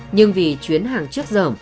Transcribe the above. nhưng vì chuyến hàng trước dởm